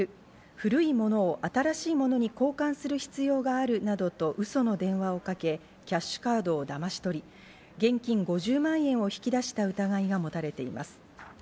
古いものを新しいものに交換する必要があるなどとウソの電話をかけ、キャッシュカードをだまし取り、現金５０万円を引き出した疑いが持たれています。